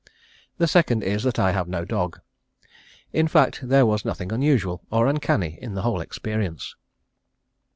The second is that I have no dog. In fact there was nothing unusual, or uncanny in the whole experience.